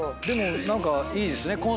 でも何かいいですね。